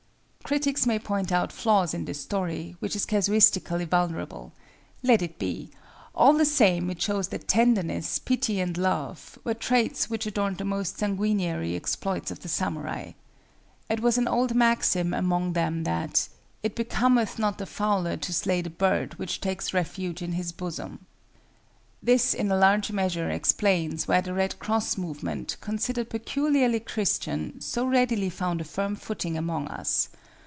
Critics may point out flaws in this story, which is casuistically vulnerable. Let it be: all the same it shows that Tenderness, Pity and Love, were traits which adorned the most sanguinary exploits of the samurai. It was an old maxim among them that "It becometh not the fowler to slay the bird which takes refuge in his bosom." This in a large measure explains why the Red Cross movement, considered peculiarly Christian, so readily found a firm footing among us.